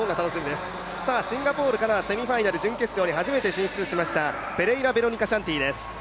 シンガポールからセミファイナル、準決勝に初めて進出しましたペレイラ・ベロニカシャンティです。